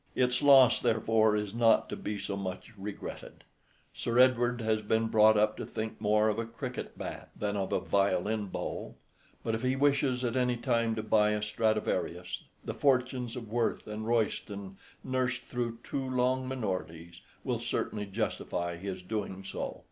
Its loss, therefore, is not to be so much regretted. Sir Edward has been brought up to think more of a cricket bat than of a violin bow; but if he wishes at any time to buy a Stradivarius, the fortunes of Worth and Royston, nursed through two long minorities, will certainly justify his doing so.